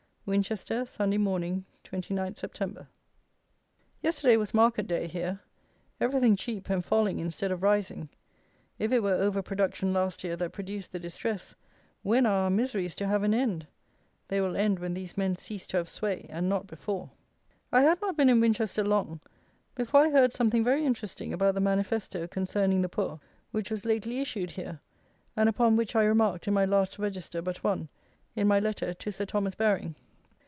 Winchester, Sunday Morning, 29 Sept. Yesterday was market day here. Everything cheap and falling instead of rising. If it were over production last year that produced the distress, when are our miseries to have an end! They will end when these men cease to have sway, and not before. I had not been in Winchester long before I heard something very interesting about the manifesto, concerning the poor, which was lately issued here, and upon which I remarked in my last Register but one, in my Letter to Sir Thomas Baring.